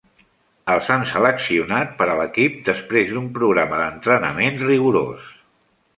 Els han seleccionat per a l'equip després d'un programa d'entrenament rigorós.